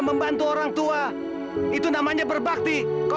sampai jumpa di video selanjutnya